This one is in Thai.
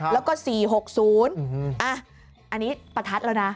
แล้วก็๔๖๐อันนี้ประทัดแล้วนะ